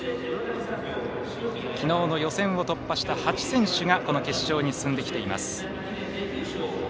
きのうの予選を突破した８選手がこの決勝に進んできています。